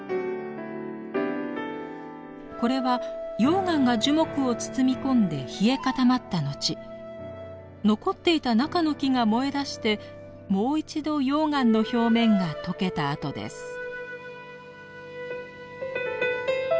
これは溶岩が樹木を包み込んで冷え固まった後残っていた中の木が燃えだしてもう一度溶岩の表面がとけた跡です。